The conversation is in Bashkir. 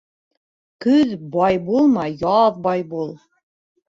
Көҙ бай булма, яҙ бай бул.